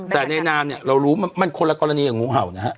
แต่ในนามเนี่ยเรารู้มันคนละกรณีกับงูเห่านะฮะ